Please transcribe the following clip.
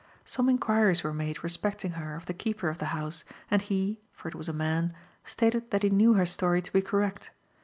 Some inquiries were made respecting her of the keeper of the house, and he (for it was a man) stated that he knew her story to be correct.